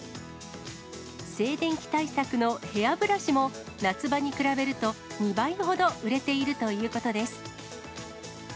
静電気対策のヘアブラシも夏場に比べると、２倍ほど売れているということです。